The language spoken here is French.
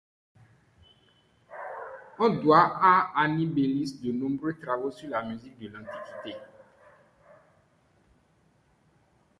On doit à Annie Bélis de nombreux travaux sur la musique de l'antiquité.